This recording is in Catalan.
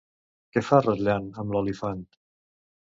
Què fa Rotllan amb l'olifant?